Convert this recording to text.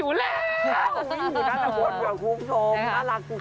หนูหิวด้านบนเผื่อคุ้มชมถ้ารักคุณบ้านดี